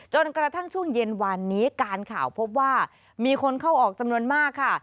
จนกระทั่งช่วงเย็นวานนี้การข่าวพบว่ามีคนเข้าออกจำนวนมากค่ะ